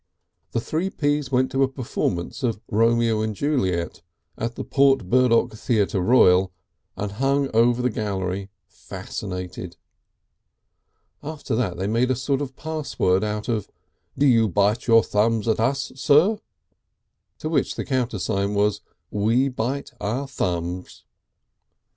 The Three Ps went to a performance of "Romeo and Juliet" at the Port Burdock Theatre Royal, and hung over the gallery fascinated. After that they made a sort of password of: "Do you bite your thumbs at Us, Sir?" To which the countersign was: "We bite our thumbs."